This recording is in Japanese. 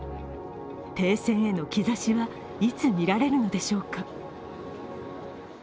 停戦への兆しはいつ見られるのでしょうか。